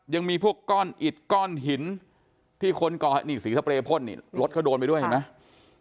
ยังมีพวกก้อนอิดก้อนหินที่คนก่อเหตุนี่สีสเปรยพ่นนี่รถเขาโดนไปด้วยเห็นไหม